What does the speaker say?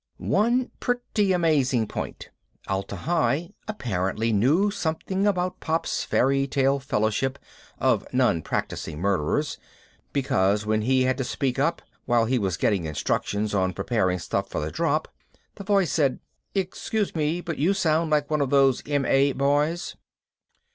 One pretty amazing point Atla Hi apparently knew something about Pop's fairy tale fellowship of non practicing murderers, because when he had to speak up, while he was getting instructions on preparing the stuff for the drop, the voice said, "Excuse me, but you sound like one of those M. A. boys."